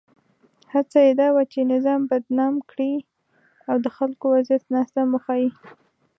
هڅه یې دا وه چې نظام بدنام کړي او د خلکو وضعیت ناسم وښيي.